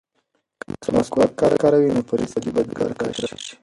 که مسواک وکاروې نو په رزق کې به دې برکت راشي.